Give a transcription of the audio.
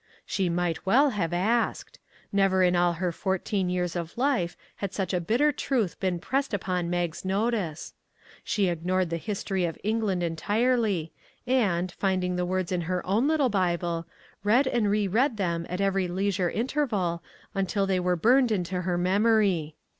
" She might well have asked! Never in all her fourteen years of life had such a bitter truth been pressed upon Mag's notice. She ignored the History of England entirely, and, finding the words in her own little Bible, read and re read them at every leisure interval until they were burned into her memory.